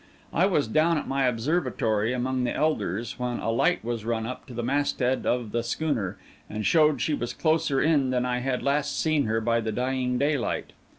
I was down at my observatory among the elders, when a light was run up to the masthead of the schooner, and showed she was closer in than when I had last seen her by the dying daylight.